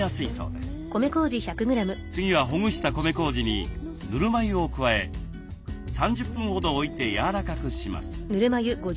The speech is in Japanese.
次はほぐした米こうじにぬるま湯を加え３０分ほど置いてやわらかくします。